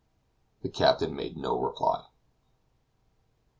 The captain made no reply.